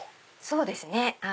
そうですね。